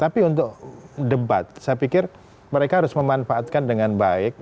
tapi untuk debat saya pikir mereka harus memanfaatkan dengan baik